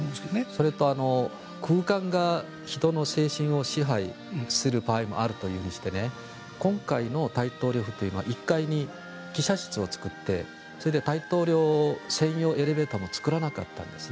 それと空間が人の精神を支配する場合もあるということで今回の大統領府というのは１階に記者室を作ってそして大統領選用エレベーターも作らなかったんです。